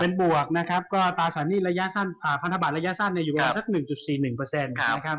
เป็นบวกนะครับก็ตลอดศาลภัณฑบัตรระยะสั้นอยู่ประมาณ๑๔๑